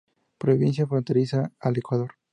Provincia fronteriza al Ecuador.